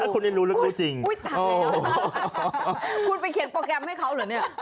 คุณได้รู้แล้วเขาจริงคุณไปเขียนโปรแกรมให้เขาเหรอเนี่ย